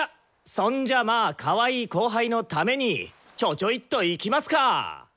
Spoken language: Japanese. そんじゃまあかわいい後輩のためにちょちょいっといきますか。